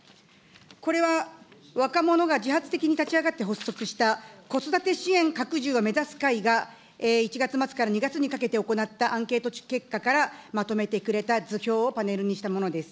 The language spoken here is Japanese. これは、若者が自発的に立ち上がって発足した子育て支援拡充を目指す会が、１月末から２月にかけて行ったアンケート結果からまとめてくれた図表をパネルにしたものです。